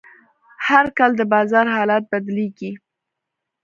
هر کال د بازار حالت بدلېږي.